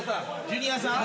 ジュニアさん。